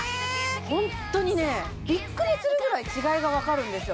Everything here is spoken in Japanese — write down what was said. ホントにねびっくりするぐらい違いがわかるんですよ